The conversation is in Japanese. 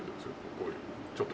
こういうちょっと。